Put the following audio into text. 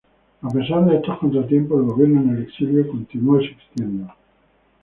A pesar de estos contratiempos, el Gobierno en el Exilio continuó existiendo.